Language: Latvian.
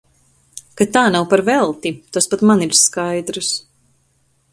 Ka tā nav par velti – tas pat man ir skaidrs.